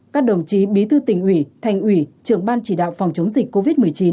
các đồng chí bí thư tỉnh ủy thành ủy trưởng ban chỉ đạo phòng chống dịch covid một mươi chín